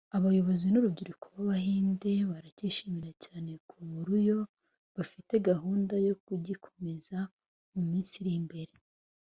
Abayobozi n’urubyiruko b’abahinde baracyishimira cyane ku buruyo bafite gahunda yo kugikomeza mu minsi iri mbere